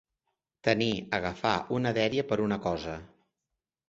Tenir, agafar, una dèria per una cosa.